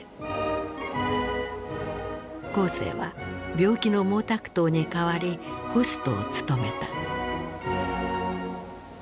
江青は病気の毛沢東に代わりホストを務めた。